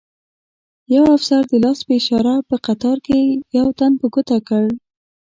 یو افسر د لاس په اشاره په قطار کې یو تن په ګوته کړ.